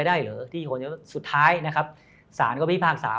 วันที่ได้เห็นคลิป